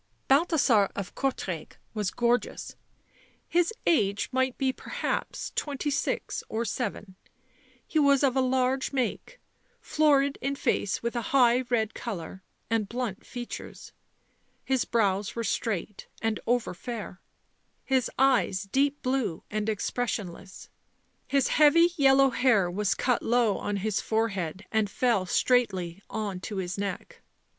Balthasar of Courtrai was gorgeous ; his age might be perhaps twenty six or seven ; he was of a large make, florid in face with a high red colour and blunt features ; his brows were straight and over fair, his eyes deep blue and expressionless ; his heavy yellow hair was cut low on his forehead and fell straightly on to his neck.